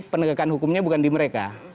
penegakan hukumnya bukan di mereka